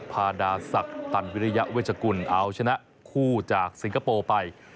พาดาศักดิ์ตันวิริยเวชกุลเอาชนะคู่จากสิงคโปร์ไป